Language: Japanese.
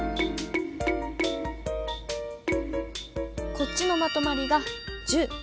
こっちのまとまりが１０。